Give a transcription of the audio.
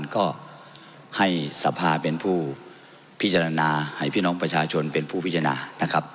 ก็ให้สภาเป็นผู้พิจารณาให้พี่น้องประชาชนเป็นผู้พิจารณานะครับ